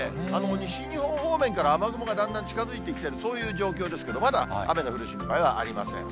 西日本方面から雨雲がだんだん近づいてきてる、そういう状況ですけど、まだ雨の降る心配はありません。